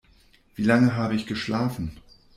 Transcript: Wie lange habe ich geschlafen?